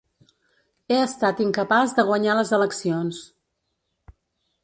He estat incapaç de guanyar les eleccions.